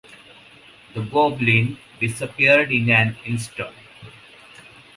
The goblin disappeared in an instant.